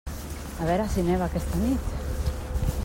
A veure si neva aquesta nit.